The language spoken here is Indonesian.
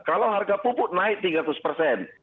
kalau harga pupuk naik tiga ratus persen